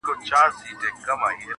خلک د پېښې خبري کوي،